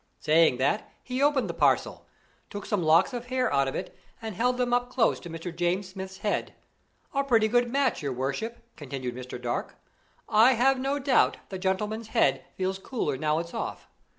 Saying that, he opened the parcel, took some locks of hair out of it, and held them up close to Mr. James Smith's head. "A pretty good match, your worship," continued Mr. Dark. "I have no doubt the gentleman's head feels cooler now it's off.